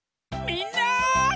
みんな！